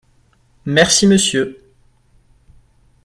Merci monsieur.